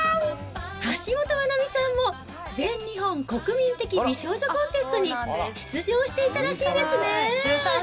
橋本マナミさんも全日本国民的美少女コンテストに出場していたらしいですね。